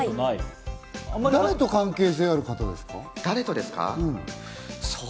誰と関係性ある方ですか？